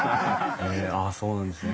そうなんですね。